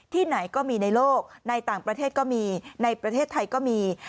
ไหนก็มีในโลกในต่างประเทศก็มีในประเทศไทยก็มี